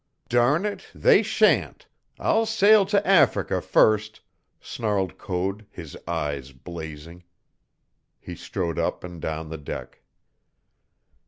"Darn it, they sha'n't I'll sail to Africa first!" snarled Code, his eyes blazing. He strode up and down the deck.